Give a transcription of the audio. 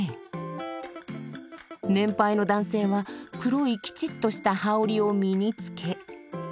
年配の男性は黒いキチッとした羽織を身につけ。